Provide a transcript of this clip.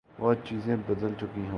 بہت چیزیں بدل چکی ہوں۔